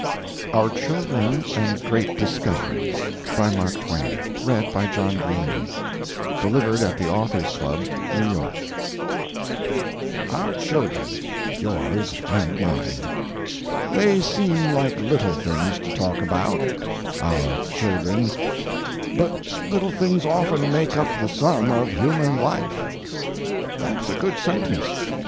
OUR CHILDREN AND GREAT DISCOVERIES DELIVERED AT THE AUTHORS' CLUB, NEW YORK Our children—yours—and—mine. They seem like little things to talk about—our children, but little things often make up the sum of human life—that's a good sentence.